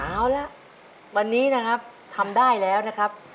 เอาละวันนี้นะครับทำได้แล้วนะครับ